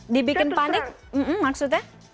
dibikin panik maksudnya